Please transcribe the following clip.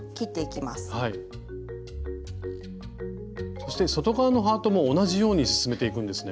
そして外側のハートも同じように進めていくんですね。